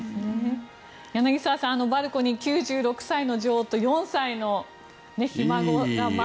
柳澤さん、バルコニー９６歳の女王と４歳のひ孫が。